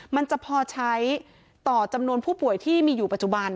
มันจะพอใช้ต่อจำนวนผู้ป่วยที่มีอยู่ปัจจุบัน